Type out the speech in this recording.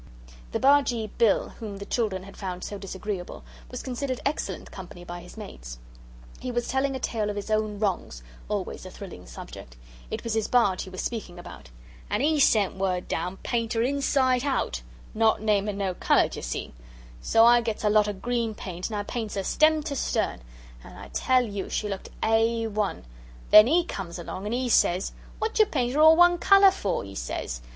The Bargee Bill, whom the children had found so disagreeable, was considered excellent company by his mates. He was telling a tale of his own wrongs always a thrilling subject. It was his barge he was speaking about. "And 'e sent down word 'paint her inside hout,' not namin' no colour, d'ye see? So I gets a lotter green paint and I paints her stem to stern, and I tell yer she looked A1. Then 'E comes along and 'e says, 'Wot yer paint 'er all one colour for?' 'e says.